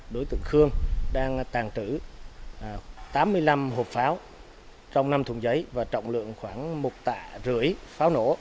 đối tượng khương đang tàn trữ tám mươi năm hộp pháo trong năm thùng giấy và trọng lượng khoảng một tạ rưỡi pháo nổ